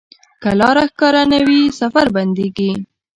که لاره ښکاره نه وي، سفر بندېږي.